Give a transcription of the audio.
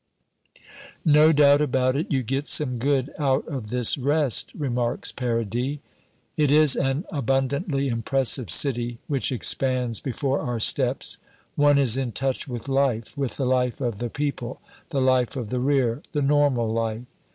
"No doubt about it, you get some good out of this rest," remarks Paradis. It is an abundantly impressive city which expands before our steps. One is in touch with life, with the life of the people, the life of the Rear, the normal life.